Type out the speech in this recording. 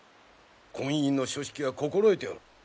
婚姻の諸式は心得ておる。